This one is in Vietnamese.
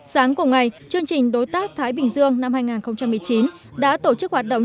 sáng cùng ngày chương trình đối tác thái bình dương năm hai nghìn một mươi chín đã tổ chức hoạt động